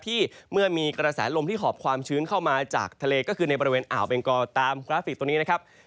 เมื่อมีกระแสลมที่หอบความชื้นเข้ามาจากทะเลก็คือในบริเวณอ่าวเบงกอตามกราฟิกตรงนี้นะครับ